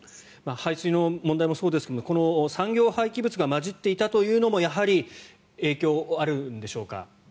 排水の問題もそうですが産業廃棄物が混じっていたというのもやはり影響はあるんでしょうか。